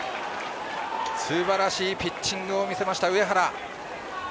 すばらしいピッチングを見せました、上原。